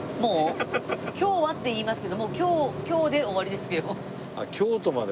「今日は」って言いますけどもう今日で終わりですけど。